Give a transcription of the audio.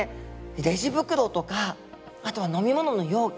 レジ袋とかあとは飲み物の容器